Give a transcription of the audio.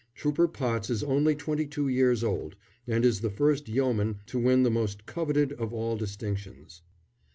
Trooper Potts is only twenty two years old, and is the first Yeoman to win the most coveted of all distinctions.